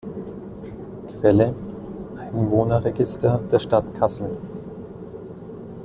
Quelle: Einwohnerregister der Stadt Kassel